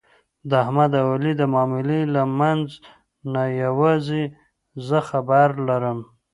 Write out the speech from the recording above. د احمد او علي د معاملې له منځ نه یووازې زه خبر لرم.